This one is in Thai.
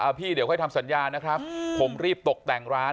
พี่เดี๋ยวค่อยทำสัญญานะครับผมรีบตกแต่งร้าน